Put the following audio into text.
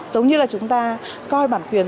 giống như chúng ta coi bản quyền